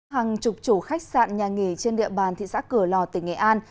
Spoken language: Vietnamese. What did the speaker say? hàng chục chủ khách sạn nhà nghỉ trên địa bàn thị xã cửa lò tỉnh nghệ an